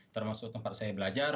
termasuk tempat saya belajar